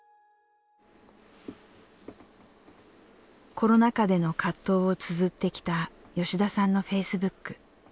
コロナ禍での葛藤をつづってきた吉田さんのフェイスブック。